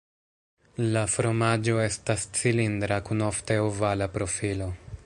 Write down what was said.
La fromaĝo estas cilindra kun ofte ovala profilo.